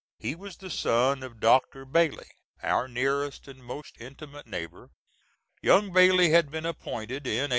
He was the son of Dr. Bailey, our nearest and most intimate neighbor. Young Bailey had been appointed in 1837.